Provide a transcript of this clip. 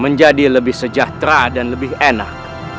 menjadi lebih sejahtera dan lebih enak